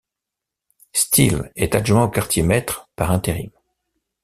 Steele est adjoint au quartier maître par intérim.